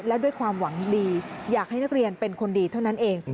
และด้วยความหวังดีอยากให้นักเรียนเป็นคนดีเท่านั้นเอง